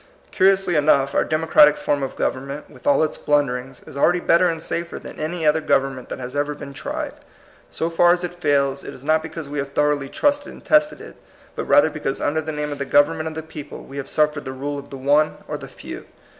Curiously enough, our democratic form of government, with all its blunderings, is already better and safer than any other government that has ever been tried. Scf far as it fails, it is not because we have thoroughly trusted and tested it, but rather because under the name of the government of the people we have suffered the rule of the one or the few.